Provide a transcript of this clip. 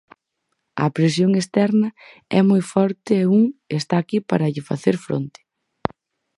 A presión externa é moi forte e un está aquí para lle facer fronte.